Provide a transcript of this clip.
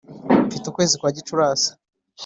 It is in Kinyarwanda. mfite ukwezi kwa gicurasi